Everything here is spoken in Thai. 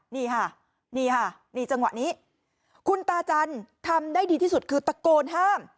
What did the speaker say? นี่ค่ะนี่ค่ะนี่จังหวะนี้คุณตาจันทร์ทำได้ดีที่สุดคือตะโกนห้าม